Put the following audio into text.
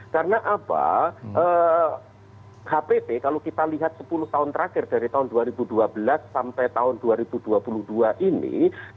karena apa hpt kalau kita lihat sepuluh tahun terakhir dari tahun dua ribu dua belas sampai tahun dua ribu dua puluh dua ini